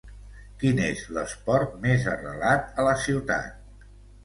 Quin és l'esport més arrelat a la ciutat?